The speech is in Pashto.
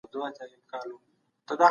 کلتوري جشنونه د خلکو د خوښۍ سبب ګرځي.